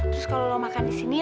terus kalau lu makan disini